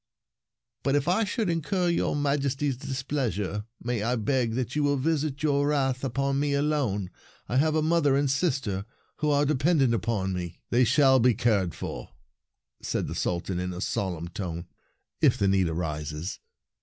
" But if I should incur your Majesty's displeasure, may I beg that you will visit your wrath upon me alone? I have a mother and sister who are dependent upon me —" They shall be cared for," (4 Verses 73 said the Sultan in a solemn tone, " if the need arises.